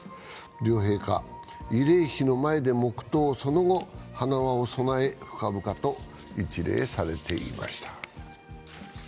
両陛下、慰霊碑の前で黙とう、その後、花輪を供え、深々と一礼されていました。